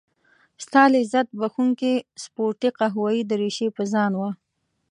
ستا لذت بخښونکې سپورتي قهوه يي دريشي په ځان وه.